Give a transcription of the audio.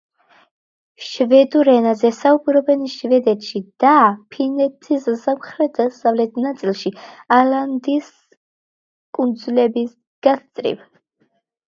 შვედურ ენაზე საუბრობენ შვედეთში და ფინეთის სამხრეთ-დასავლეთ ნაწილში, ალანდის კუნძულების გასწვრივ.